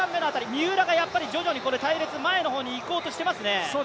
三浦が徐々に隊列、前の方に行こうとしてますね。